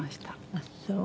「ああそう」